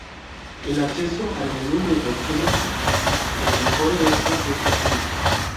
El acceso al menú de opciones en Encore Extra es posible.